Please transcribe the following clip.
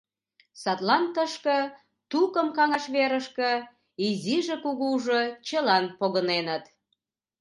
Садлан тышке, тукым каҥаш верышке, изиже-кугужо чылан погыненыт.